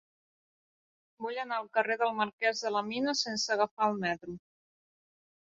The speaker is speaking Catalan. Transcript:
Vull anar al carrer del Marquès de la Mina sense agafar el metro.